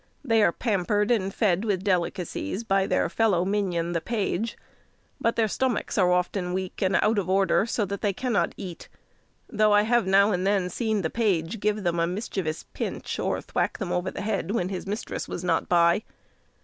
They are pampered and fed with delicacies by their fellow minion, the page; but their stomachs are often weak and out of order, so that they cannot eat; though I have now and then seen the page give them a mischievous pinch, or thwack over the head, when his mistress was not by.